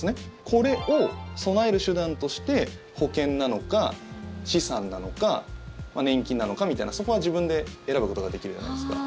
これを備える手段として保険なのか、資産なのか年金なのかみたいなそこは自分で選ぶことができるじゃないですか。